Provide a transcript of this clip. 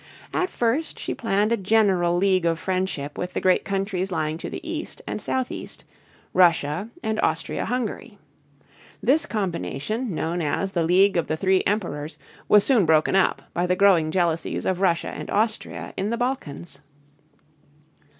At first she planned a general league of friendship with the great countries lying to the east and southeast, Russia and Austria Hungary. This combination, known as the League of the Three Emperors, was soon broken up by the growing jealousies of Russia and Austria in the Balkans.